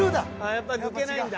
やっぱり抜けないんだ。